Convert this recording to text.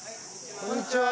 こんにちは。